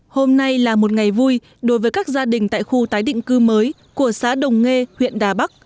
hôm nay là một ngày vui đối với các gia đình tại khu tái định cư mới của xã đồng nghê huyện đà bắc